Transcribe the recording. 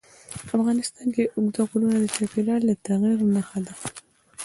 افغانستان کې اوږده غرونه د چاپېریال د تغیر نښه ده.